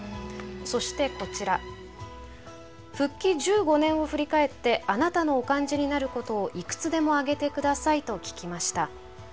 そしてこちら「復帰１５年を振り返ってあなたのお感じになることをいくつでも挙げて下さい」と聞きました。